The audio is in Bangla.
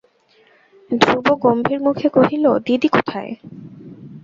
ধ্রুব গম্ভীর মুখে কহিল, দিদি কোথায়?